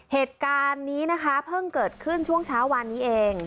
เหตุการณ์นี้นะคะเพิ่งเกิดขึ้นช่วงเช้าวานนี้เอง